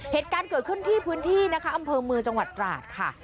เหตุการณ์เกิดขึ้นที่พื้นที่นะคะอำเภอเมืองจังหวัดตราดค่ะ